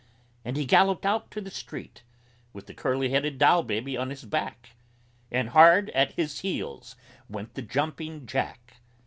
And he galloped out to the street With the curly headed Doll Baby on his back; And hard at his heels went the Jumping Jack!